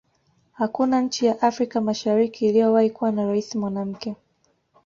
hakuna nchi ya afrika mashariki iliyowahi kuwa na raisi mwanamke